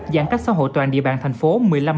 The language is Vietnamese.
giãn cách xã hội toàn địa bàn thành phố